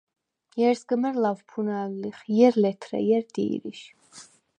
ჲერ სგჷმა̈რ ლავფუნალვ ლიხ, ჲერ – ლეთრე, ჲერ – დი̄რიშ.